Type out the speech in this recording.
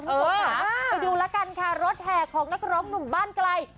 ไปดูละกันค่ะรถแทกของนักร้องหนุ่มบ้านไกล